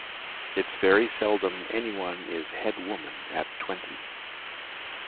It's very seldom anyone is head woman at twenty.